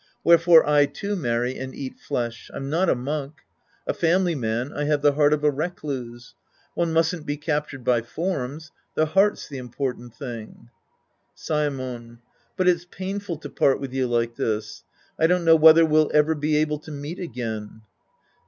Wherefore I, too, marry and eat flesh. I'm not a monk. A family man, I have the heart of a recluse. One mustn't be captured by forms. The heart's the important thing. Saemon. But it's painful to part with you like this. I don't know whether we'll ever be able to meet again.